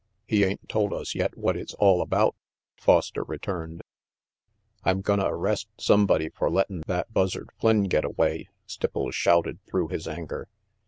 "He ain't told us yet what it's all about," Foster returned. "I'm gonna arrest sumbody fer lettin' that Buzzard Flynn get away," Stipples shouted through his anger.